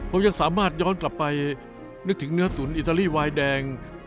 ผมยังสามารถย้อนกลับไปนึกถึงเนื้อตุ๋นอิตาลีวายแดง